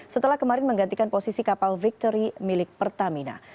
setelah kemarin menggantikan posisi kapal victory milik pertamina